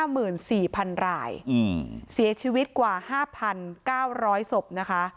มีชีวิตกว่า๕๙๐๐ศพนะคะ